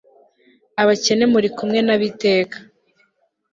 abakene muri kumwe na bo iteka